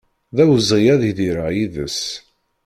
D awezɣi ad idireɣ yid-s